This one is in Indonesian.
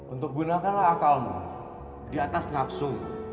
untuk gunakanlah akalmu di atas nafsu